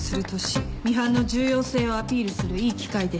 ミハンの重要性をアピールするいい機会です。